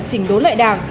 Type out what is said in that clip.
chỉnh đối loại đảng